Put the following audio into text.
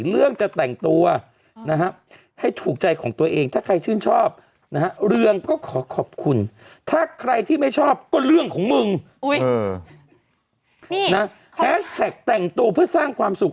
แฮชแอคแต่งตัวเพื่อสร้างความสุข